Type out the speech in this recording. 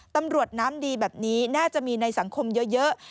ตำรวจน้ำดีแบบนี้น่าจะมีในสังคมเยอะ